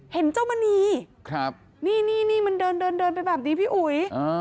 เห็นเจ้ามณีนี่มันเดินเดินไปแบบนี้พี่อุ๋ย